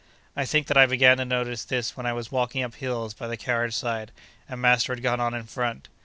I think that I began to notice this when I was walking up hills by the carriage side, and master had gone on in front.